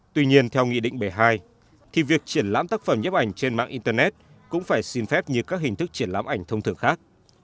tuy nhiên theo nghị định bảy mươi hai thì việc triển lãm tác phẩm nhếp ảnh trên mạng internet cũng phải xin phép như các hình thức triển lãm ảnh thông thường khác